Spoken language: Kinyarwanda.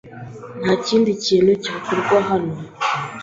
Nta kindi kintu cyakorwa hano.